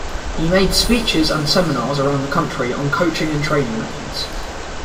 He made speeches and seminars around the country on coaching and training methods.